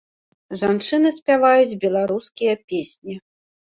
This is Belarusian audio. Жанчыны спяваюць беларускія песні.